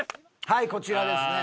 はいこちらですね。